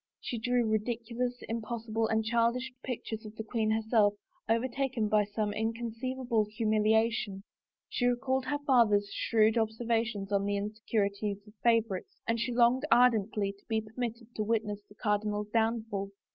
She drew ridiculous, impossible, and childish pictures of the queen herself overtaken by some inconceivable humil iation; she recalled her father's shrewd observations on the insecurities of favorites and .she longed ardently to be permitted to witness the cardinal's downfall.